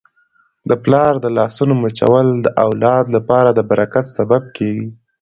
د پلار د لاسونو مچول د اولاد لپاره د برکت سبب کیږي.